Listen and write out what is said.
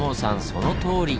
そのとおり！